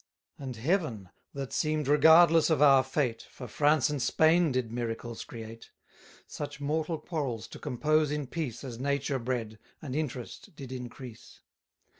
And Heaven, that seem'd regardless of our fate, For France and Spain did miracles create; Such mortal quarrels to compose in peace, As nature bred, and interest did increase.